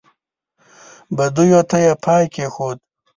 بدیو ته یې پای کېښود.